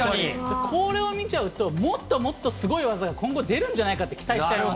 これを見ちゃうと、もっともっとすごい技、今後出るんじゃないかって期待しちゃいます。